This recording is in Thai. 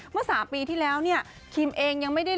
เมื่อ๓ปีที่แล้วเนี่ยคิมเองยังไม่ได้